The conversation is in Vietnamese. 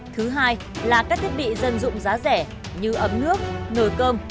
thứ hai là các thiết bị dân dụng giá rẻ như ấm nước nồi cơm